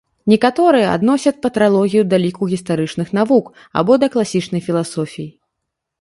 Некаторыя адносяць патралогію да ліку гістарычных навук або да класічнай філасофіі.